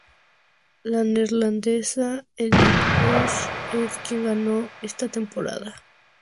La neerlandesa Edith Bosch es quien ganó esta temporada.